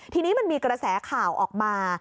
ทีนี้มันมีกระแสข่าวออกมา